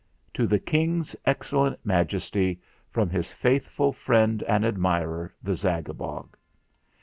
"To the King's Excellent Majesty, from his faithful friend and admirer, the Zagabog.